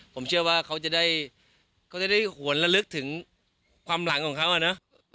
ผมเชื่อว่าเขาจะได้หวนละลึกถึงความหลังของเค้านะ